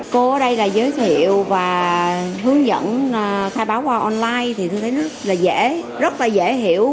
cô ở đây là giới thiệu và hướng dẫn khai báo qua online thì tôi thấy rất là dễ rất là dễ hiểu